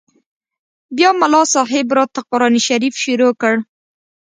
بيا ملا صاحب راته قران شريف شروع کړ.